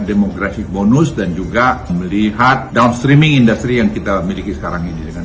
demografi bonus dan juga melihat downstreaming industri yang kita miliki sekarang ini dengan